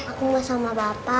aku mau sama papa